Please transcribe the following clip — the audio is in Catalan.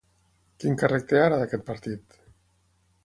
Quin càrrec té ara d'aquest partit?